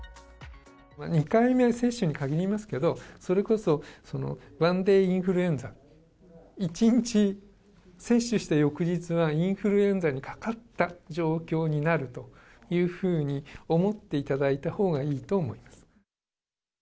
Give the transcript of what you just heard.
２回目接種に限りますけど、それこそ１ＤＡＹインフルエンザ、一日、接種した翌日はインフルエンザにかかった状況になるというふうに思っていただいたほうがいいと思います。